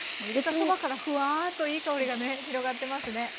入れたそばからふわっといい香りがね広がってますね。